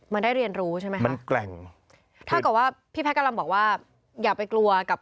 มันได้เรียนรู้ใช่ไหมครับ